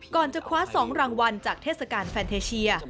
จะคว้า๒รางวัลจากเทศกาลแฟนเทเชีย